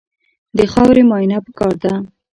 د خاورې معاینه پکار ده.